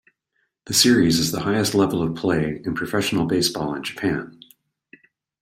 The Series is the highest level of play in professional baseball in Japan.